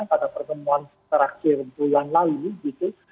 pada pertemuan terakhir bulan lalu gitu